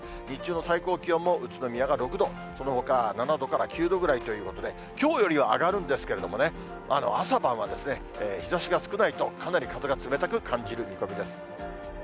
日中の最高気温も、宇都宮が６度、そのほか７度から９度ぐらいということで、きょうよりは上がるんですけどもね、朝晩は日ざしが少ないと、かなり風が冷たく感じる見込みです。